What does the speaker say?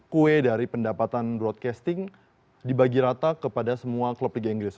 kue dari pendapatan broadcasting dibagi rata kepada semua klub liga inggris